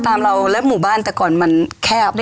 ที่สุดคือมุ่นบนน่ะก่อนและหมู่บ้านแต่ก่อนมันแคบ